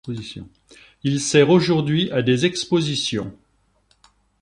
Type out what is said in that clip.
Il sert aujourd’hui à des expositions.